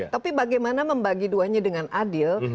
tapi bagaimana membagi duanya dengan adil